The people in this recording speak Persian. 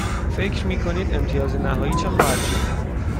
فکر می کنید امتیاز نهایی چه خواهد شد؟